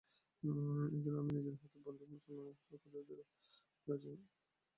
এ যেন আমি নিজের হাতে বন্দীর বন্ধন মোচন করিয়া দিয়াছি।